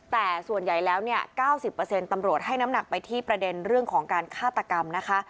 แต่ส่วนใหญ่แล้วเนี่ย๙๐ตำรวจให้น้ำหนักไปที่ประเด็นเรื่องของการฆาตกรรมนะคะ